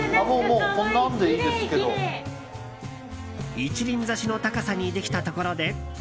一輪挿しの高さにできたところで。